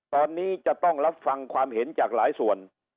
ตอนนี้จะต้องรับฟังความเห็นจากหลายส่วน